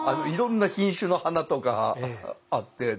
いろんな品種の花とかあって。